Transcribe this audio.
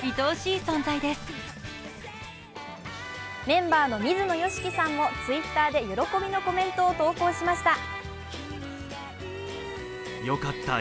メンバーの水野良樹さんもＴｗｉｔｔｅｒで喜びのコメントを投稿しました。